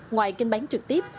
ngoài kinh bán trực tiếp